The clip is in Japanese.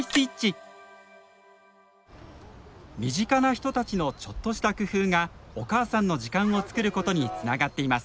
身近な人たちのちょっとした工夫がお母さんの時間をつくることにつながっています。